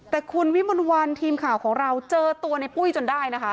แต่คุณวิมลวันทีมข่าวของเราเจอตัวในปุ้ยจนได้นะคะ